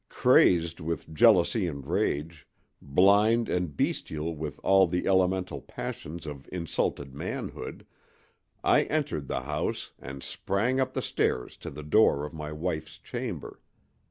Crazed with jealousy and rage, blind and bestial with all the elemental passions of insulted manhood, I entered the house and sprang up the stairs to the door of my wife's chamber.